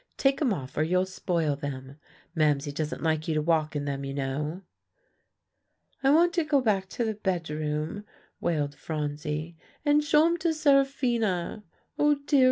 Take 'em off, or you'll spoil them; Mamsie doesn't like you to walk in them, you know." "I want to go back to the bedroom," wailed Phronsie, "and show 'em to Seraphina. Oh, dear!